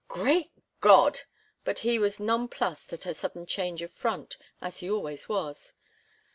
"Great God!" But he was nonplussed at her sudden change of front, as he always was.